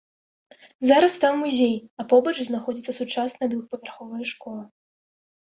Зараз там музей, а побач знаходзіцца сучасная двухпавярховая школа.